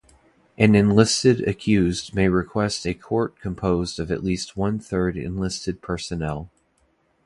An enlisted accused may request a court composed of at least one-third enlisted personnel.